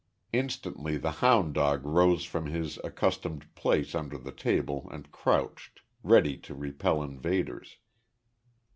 Instantly the houn' dog rose from his accustomed place under the table and crouched, ready to repel invaders.